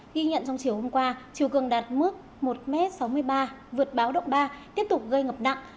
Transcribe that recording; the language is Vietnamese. ghi nhận trong chiều hôm qua chiều cường đạt mức một m sáu mươi ba vượt báo động ba tiếp tục gây ngập nặng